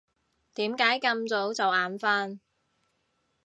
點解咁早就眼瞓？